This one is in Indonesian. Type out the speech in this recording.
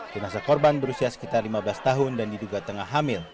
jenazah korban berusia sekitar lima belas tahun dan diduga tengah hamil